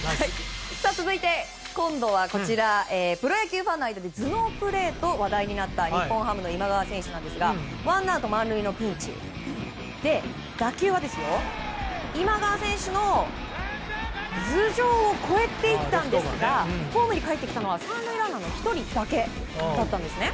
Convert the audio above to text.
続いて、今度はプロ野球ファンの間で頭脳プレーと話題になった日本ハムの今川選手ですがワンアウト満塁のピンチで打球は今川選手の頭上を越えていったんですがホームにかえってきたのは３塁ランナーの１人だけだったんですね。